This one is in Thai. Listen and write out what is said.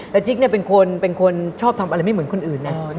และจิ๊กเป็นคนชอบทำอะไรไม่เหมือนคนอื่นนะ